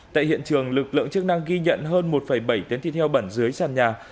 tại hiện trường lực lượng chức năng ghi nhận hơn một bảy tấn thịt heo bẩn dưới sàn nhà